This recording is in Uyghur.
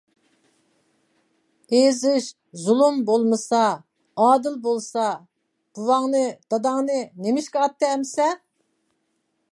-ئېزىش، زۇلۇم بولمىسا، ئادىل بولسا، بوۋاڭنى، داداڭنى نېمىشقا ئاتتى ئەمىسە؟